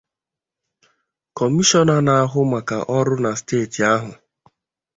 Kọmishọna na-ahụ maka ọrụ na steeti ahụ